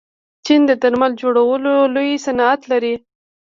چین د درمل جوړولو لوی صنعت لري.